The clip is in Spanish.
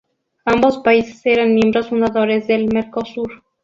Ambos países eran miembros fundadores del Mercosur.